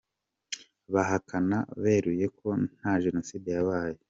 Bahakana beruye ko nta Jenoside yabaye.